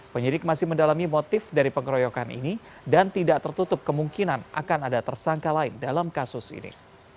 penyidik masih mendalami motif dari pengeroyokan ini dan tidak tertutup kemungkinan akan ada tersangka lain dalam kasus ini